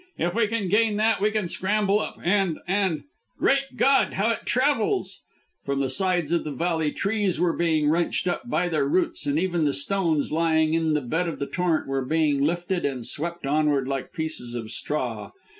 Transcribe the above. "If we can gain that we can scramble up, and and Great God! How it travels!" From the sides of the valley trees were being wrenched up by their roots, and even the stones lying in the bed of the torrent were being lifted and swept onward like pieces of straw.